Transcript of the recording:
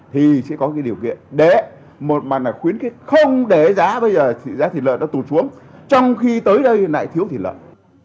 thì sẽ có cái điều kiện để một mặt là khuyến khích không để giá bây giờ thì giá thịt lợn nó tụt xuống trong khi tới đây lại thiếu thịt lợn